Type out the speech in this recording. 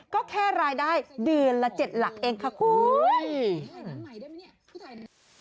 ก็แค่รายได้เดือนละ๗หลักเองค่ะคุณ